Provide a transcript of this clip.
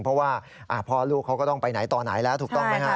เพราะว่าพ่อลูกเขาก็ต้องไปไหนต่อไหนแล้วถูกต้องไหมฮะ